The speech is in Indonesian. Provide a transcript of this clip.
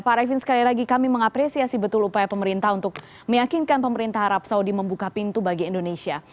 pak arifin sekali lagi kami mengapresiasi betul upaya pemerintah untuk meyakinkan pemerintah arab saudi membuka pintu bagi indonesia